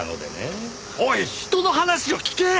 おい人の話を聞け！